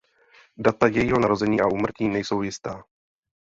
Data jejího narození a úmrtí nejsou jistá.